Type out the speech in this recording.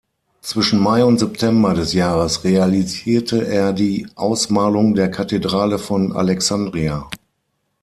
Zwischen Mai und September des Jahres realisierte er die Ausmalung der Kathedrale von Alexandria.